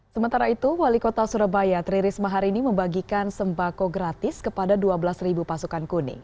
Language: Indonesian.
sementara itu wali kota surabaya tri risma hari ini membagikan sembako gratis kepada dua belas pasukan kuning